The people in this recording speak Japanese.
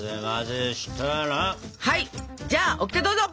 はいじゃあオキテどうぞ！